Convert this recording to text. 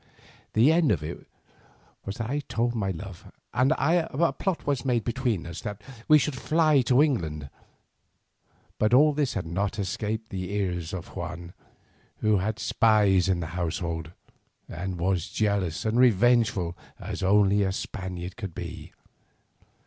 The end of it was that I told my love, and a plot was made between us that we should fly to England. But all this had not escaped the ears of Juan, who had spies in the household, and was jealous and revengeful as only a Spaniard can be.